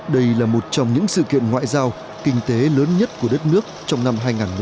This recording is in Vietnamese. đây là một trong những sự kiện ngoại giao kinh tế lớn nhất của đất nước trong năm hai nghìn một mươi chín